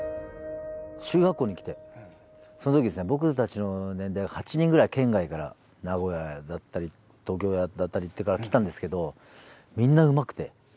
中学校に来てその時僕たちの年代は８人ぐらい県外から名古屋だったり東京だったりから来たんですけどみんなうまくて。